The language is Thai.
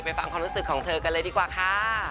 ฟังความรู้สึกของเธอกันเลยดีกว่าค่ะ